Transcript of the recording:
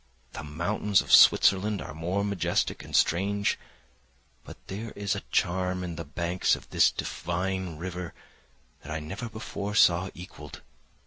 The mountains of Switzerland are more majestic and strange, but there is a charm in the banks of this divine river that I never before saw equalled.